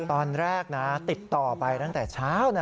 ตอนแรกนะติดต่อไปตั้งแต่เช้านะ